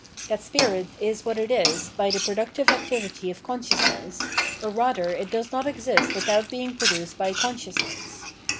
That spirit is what it is by the productive activity of consciousness, or rather it does not exist without being produced by consciousness.